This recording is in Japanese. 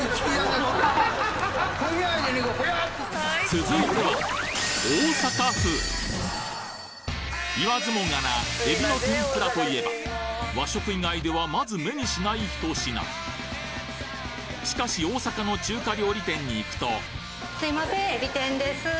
続いては言わずもがなエビの天ぷらといえば和食以外ではまず目にしないひと品しかし大阪の中華料理店に行くとすいませんエビ天です。